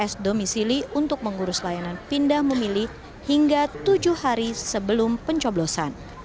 pemilih yang telah berpindah tps domisili untuk mengurus layanan pindah memilih hingga tujuh hari sebelum pencoblosan